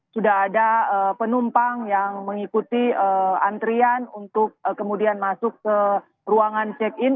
sudah ada penumpang yang mengikuti antrian untuk kemudian masuk ke ruangan check in